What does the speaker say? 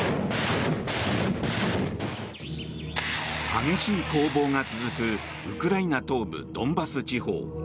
激しい攻防が続くウクライナ東部ドンバス地方。